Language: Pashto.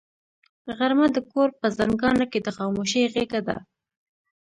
غرمه د کور په زنګانه کې د خاموشۍ غېږه ده